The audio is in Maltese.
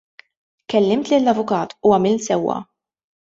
Kellimt lill-avukat, u għamilt sewwa.